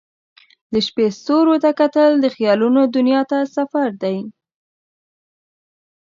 د شپې ستوریو ته کتل د خیالونو دنیا ته سفر دی.